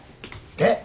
えっ！？